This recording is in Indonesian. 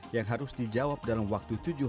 yang harus dijawab dalam waktu terakhir